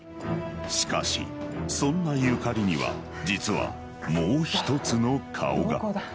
しかしそんなゆかりには実はもう一つの顔が ＭＣＹＵＫＡＲＩ！